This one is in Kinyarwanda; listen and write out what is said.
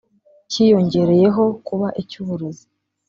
cyiyongereyeho kuba icy’uburozi